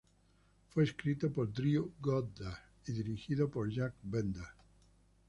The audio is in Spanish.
Fue escrito por Drew Goddard y dirigido por Jack Bender.